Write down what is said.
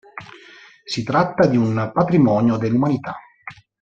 Si tratta di un patrimonio dell'umanità.